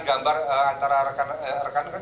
gambar antara rekan rekan